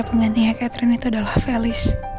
aku bisa cemburu beneran nih sama felis